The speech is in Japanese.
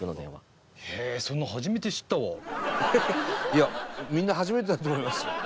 「いやみんな初めてだと思います」